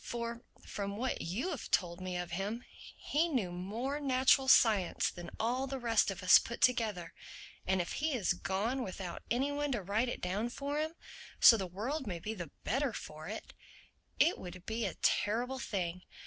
For, from what you have told me of him, he knew more natural science than all the rest of us put together; and if he has gone without any one to write it down for him, so the world may be the better for it, it would be a terrible thing.